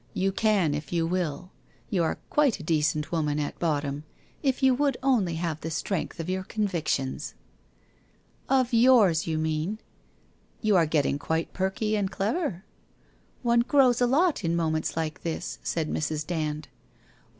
You can, if you will. You arc quite a decent woman at bottom, if you would only have the strength of your convictions !'* Of yours, you mean/ ' You are getting quite perky and clever/ ' One grows a lot in moments like this/ said Mrs. Dand.